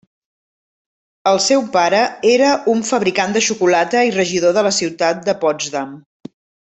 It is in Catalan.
El seu pare era un fabricant de xocolata i regidor de la ciutat de Potsdam.